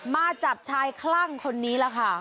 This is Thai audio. มาจับชายคลั่งคนนี้ล่ะค่ะ